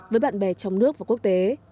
với bạn bè trong nước và quốc tế